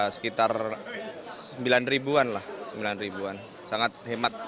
sekitar sembilan ribuan lah sangat hemat